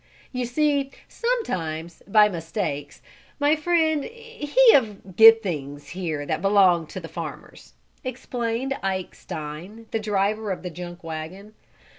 "You see, sometimes, by mistakes, my friend he of gets things here that belongs to the farmers," explained Ike Stein, the driver of the junk wagon.